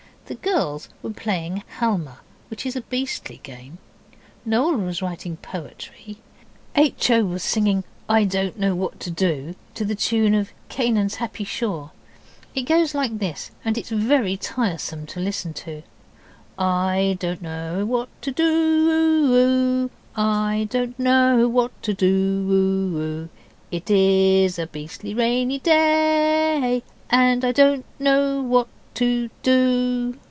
The girls were playing Halma which is a beastly game Noel was writing poetry, H. O. was singing 'I don't know what to do' to the tune of 'Canaan's happy shore'. It goes like this, and is very tiresome to listen to 'I don't know what to do oo oo oo! I don't know what to do oo oo! It IS a beastly rainy day And I don't know what to do.